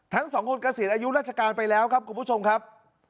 ทั้งสองคนเกษียณอายุราชการไปแล้วครับคุณผู้ชมครับ